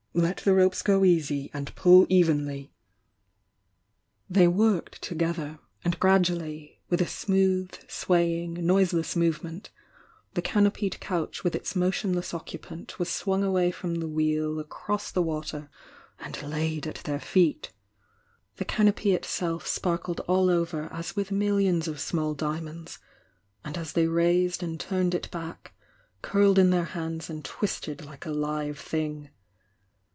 "Let the ropes go easy — and pull evenly!" THE YOUNG DIANA 303 They worked together, and gradually— with a smooth, swaying, noiseless movement, — the cano pied couch with its motionless occupant was swung away from the Wheel across the water and laid at their feet. The canopy itself sparkled all over as with millions of small diamonds, — and as they raised and turned it back, curled in their hands and twisted like a live thing.